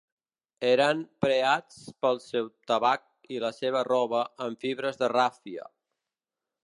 Eren preats pel seu tabac i la seva roba en fibres de ràfia.